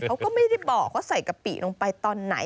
เขาก็ไม่ได้บอกว่าใส่กะปิลงไปตอนไหน